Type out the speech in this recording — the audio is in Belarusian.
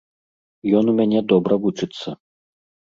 Ён у мяне добра вучыцца.